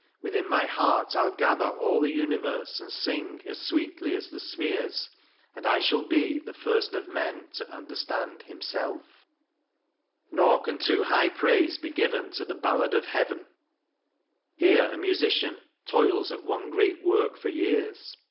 Within my heart I'll gather all the universe, and sing . As sweetly as the spheres ; and I shall be The first of men to understand himself. . JOHN DAVIDSON: REALIST 199 Nor can too high praise be given to the " Ballad of Heaven." Here a musician " toils at one great work for years."